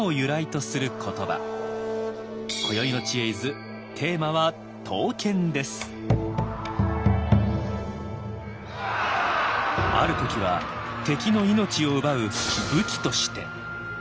こよいの「知恵泉」テーマはある時は敵の命を奪う「武器」として。